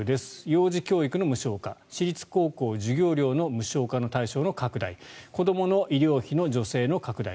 幼児教育の無償化私立高校授業料の無償化の対象の拡大子どもの医療費の助成の拡大。